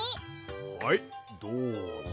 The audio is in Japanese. はいどうぞ。